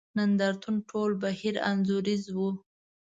نند ارتون ټول بهیر انځوریز وو.